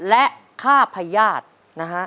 และฆ่าพญาตินะฮะ